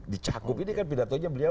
dicakup ini kan pidatonya beliau